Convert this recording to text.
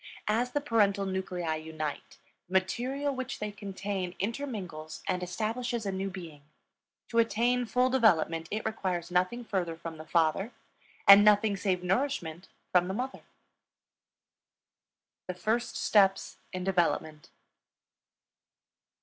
As the parental nuclei unite, the material which they contain intermingles and establishes a new being; to attain full development, it requires nothing further from the father, and nothing save nourishment from the mother. THE FIRST STEPS IN DEVELOPMENT.